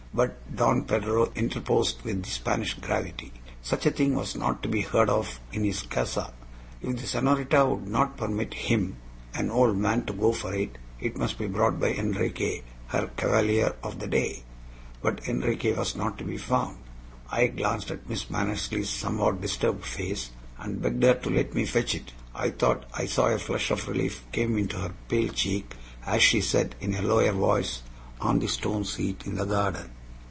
But Don Pedro interposed with Spanish gravity. Such a thing was not to be heard of in his casa. If the senorita would not permit HIM an old man to go for it, it must be brought by Enriquez, her cavalier of the day. But Enriquez was not to be found. I glanced at Miss Mannersley's somewhat disturbed face, and begged her to let me fetch it. I thought I saw a flush of relief come into her pale cheek as she said, in a lower voice, "On the stone seat in the garden."